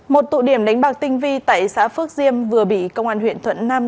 một tụ điểm đánh bạc tinh vi tại xã phước diêm vừa bị công an huyện thuận nam